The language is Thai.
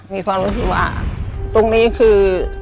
มีความรู้สึกว่าตรงนี้คือ